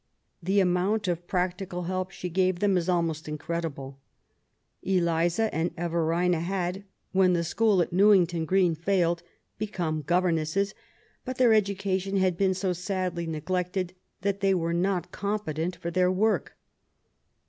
The amount of practical help she gave them is almost incredible. Eliza and Everina had, when the school at Newington Green failed, become governesses, but their education had been so sadly neglected that they were not competent for their work.